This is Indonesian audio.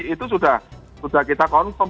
itu sudah kita konfirm